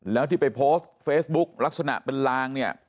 แล้วที่ไปโพสต์เฟซบุ๊กลักษณะเป็นลางเนี่ย